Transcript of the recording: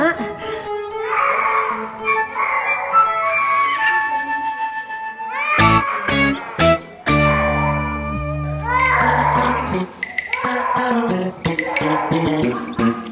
ini anak saya makasih ya